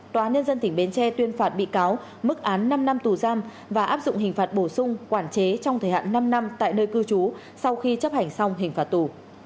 tòa án nhân dân tỉnh bến tre tuyên phạt bị cáo mức án năm năm tù giam và áp dụng hình phạt bổ sung quản chế trong thời hạn năm năm tại nơi cư trú sau khi chấp hành xong hình phạt tù